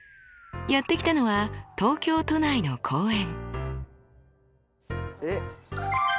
やって来たのは東京都内の公園。